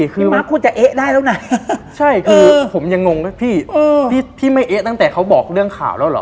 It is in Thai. คือมาร์คคุณจะเอ๊ะได้แล้วนะใช่คือผมยังงงนะพี่พี่ไม่เอ๊ะตั้งแต่เขาบอกเรื่องข่าวแล้วเหรอ